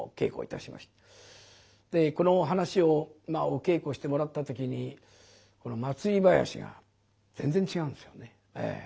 この噺をお稽古してもらった時に祭り囃子が全然違うんですよね。